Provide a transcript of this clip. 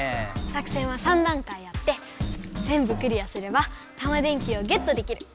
作戦は３だんかいあってぜんぶクリアすればタマ電Ｑをゲットできる。